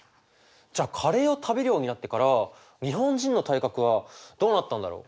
じゃあカレーを食べるようになってから日本人の体格はどうなったんだろう？